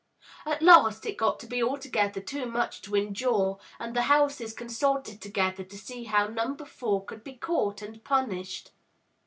At last it got to be altogether too much to endure, and the houses consulted together to see how Number Four could be caught and punished.